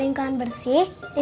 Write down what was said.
eh kang idan